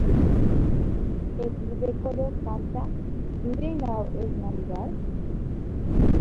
El club de coro canta "Do They Know Es Navidad?